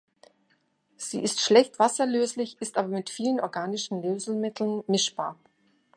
Sie ist schlecht wasserlöslich, ist aber mit vielen organischen Lösemitteln mischbar.